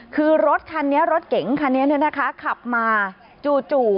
คือรถคันนี้รถเก๋งคันนี้ขับมาจู่